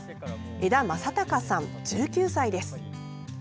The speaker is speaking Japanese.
江田正孝さん、１９歳です。